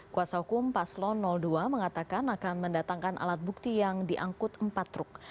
kuasa hukum paslon dua mengatakan akan mendatangkan alat bukti yang diangkut empat truk